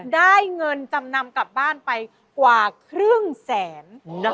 ได้เงินจำนำกลับบ้านไปกว่าครึ่งแสน